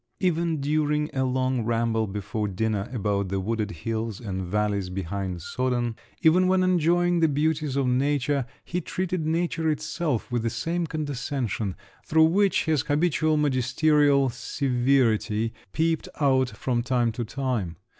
Even during a long ramble before dinner about the wooded hills and valleys behind Soden, even when enjoying the beauties of nature, he treated nature itself with the same condescension, through which his habitual magisterial severity peeped out from time to time.